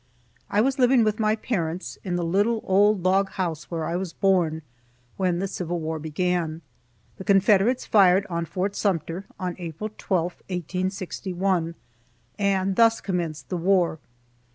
I was living with my parents, in the little old log house where I was born, when the Civil war began. The Confederates fired on Fort Sumter on April 12, 1861, and thus commenced the war.